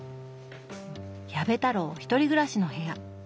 矢部太郎１人暮らしの部屋。